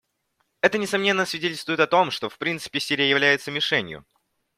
Это, несомненно, свидетельствует о том, что в принципе Сирия является мишенью.